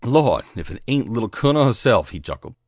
"Lawd, if it aint the Little Cun'l herself!" he chuckled.